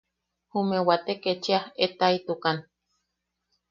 Jume wate kechia etaʼitukan.